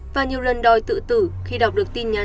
và nhiều lần đòi tự tử khi đọc được tin nhắn